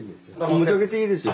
持ち上げていいですよ。